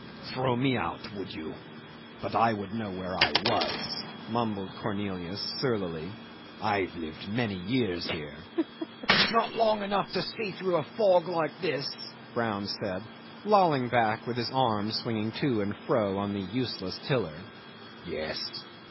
"Throw me out, would you? But I would know where I was," mumbled Cornelius surlily. "I've lived many years here." "Not long enough to see through a fog like this," Brown said, lolling back with his arm swinging to and fro on the useless tiller. "Yes.